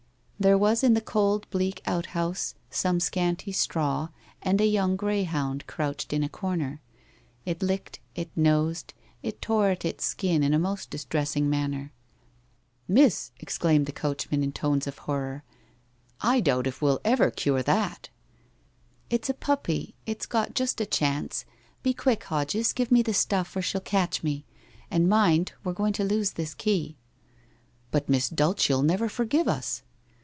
There was in the cold bleak outhouse some scanty straw and a young greyhound crouched in a corner. It licked, it nosed, it tore at its skin in a most distressing manner. ' Miss !' exclaimed the coachman in tones of horror. ' I doubt if we'll ever cure that !'' It's a puppy, it's got just a chance. Be quick, Hodges, give me the stuff, or she'll catch me. And mind, we're going to lose this key.' * But Miss Dulcc'll never forgive us